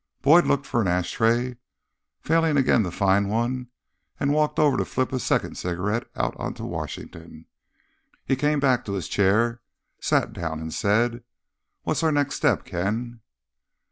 Boyd looked for an ashtray, failed again to find one, and walked over to flip a second cigarette out onto Washington. He came back to his chair, sat down, and said, "What's our next step, Ken?"